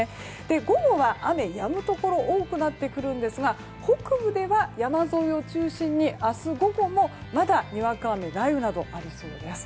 午後は、雨やむところ多くなってくるんですが北部では山沿いを中心に明日午後もまだにわか雨、雷雨などありそうです。